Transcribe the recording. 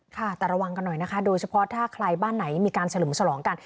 ค่ะแต่ระวังกันหน่อยนะคะโดยเฉพาะถ้าใครบ้านไหนมีการเฉลิมฉลองกัน